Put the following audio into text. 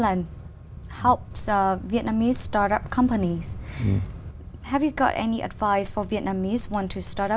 anh có đọc bức bản về việt nam chưa